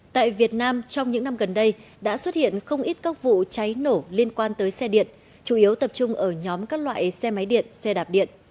tại việt nam trong những năm gần đây đã xuất hiện không ít các vụ cháy nổ liên quan tới xe điện chủ yếu tập trung ở nhóm các loại xe máy điện xe đạp điện